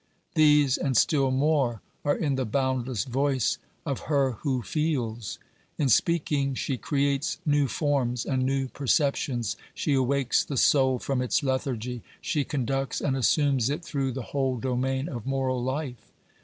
These and still more are in the boundless voice of her who feels. In speaking she creates new forms and new perceptions; she awakes the soul from its lethargy; she conducts and assumes it through the whole domain of moral life.